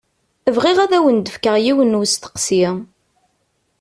Bɣiɣ ad awen-d-fkeɣ yiwen n usteqsi.